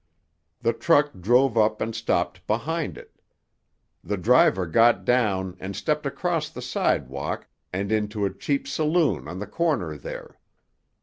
The truck drove up and stopped behind it. The driver got down and stepped across the sidewalk and into a cheap saloon on the corner there.